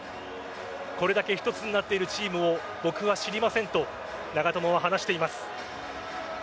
これだけ一つになっているチームを僕は知りませんと長友は話しています。